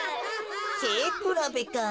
せいくらべか。